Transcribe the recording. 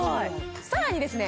さらにですね